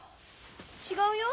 違うよ。